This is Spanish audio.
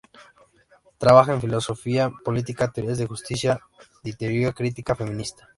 Trabaja en Filosofía política, teorías de justicia y teoría crítica feminista.